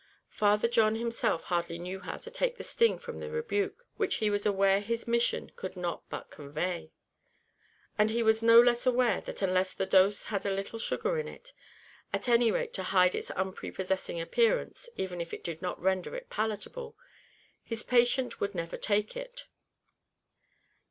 Father John himself hardly knew how to take the sting from the rebuke, which he was aware his mission could not but convey; and he was no less aware, that unless the dose had a little sugar in it, at any rate to hide its unprepossessing appearance even if it did not render it palatable, his patient would never take it.